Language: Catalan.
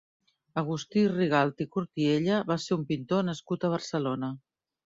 Agustí Rigalt i Cortiella va ser un pintor nascut a Barcelona.